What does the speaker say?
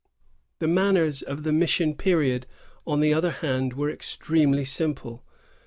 The manners of the mission period, on the other hand, were extremely simple.